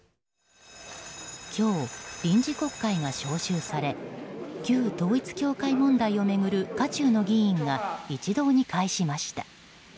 今日、臨時国会が召集され旧統一教会問題を巡る渦中の議員が一堂に会しました。